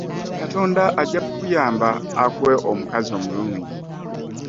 Katonda ajja kukuyamba akuwe omukazi omulungi.